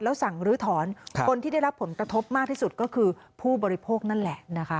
แล้วสั่งลื้อถอนคนที่ได้รับผลกระทบมากที่สุดก็คือผู้บริโภคนั่นแหละนะคะ